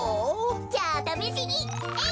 じゃあためしにえい！